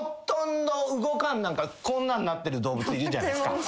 こんなんなってる動物いるじゃないですか。